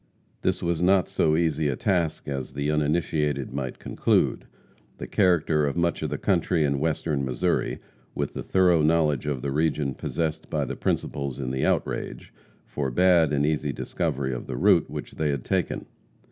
This was not so easy a task as the uninitiated might conclude. The character of much of the country in western Missouri, with the thorough knowledge of the region possessed by the principals in the outrage, forbade an easy discovery of the route which they had taken.